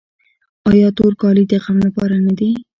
آیا تور کالي د غم لپاره نه دي؟